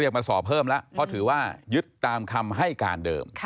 คือตามคำให้การเดิม